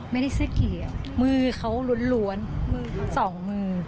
ไม่ได้เสื้อเขียวมือเขาล้วนมือสองมือ